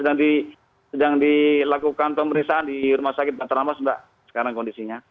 iya nanti ada sedang dilakukan pemeriksaan di rumah sakit petra mas mbak sekarang kondisinya